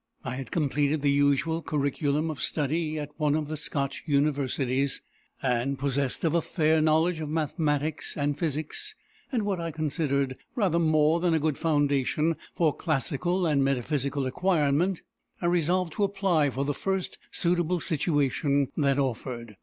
I had completed the usual curriculum of study at one of the Scotch universities; and, possessed of a fair knowledge of mathematics and physics, and what I considered rather more than a good foundation for classical and metaphysical acquirement, I resolved to apply for the first suitable situation that offered.